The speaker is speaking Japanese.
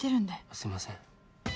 すいません。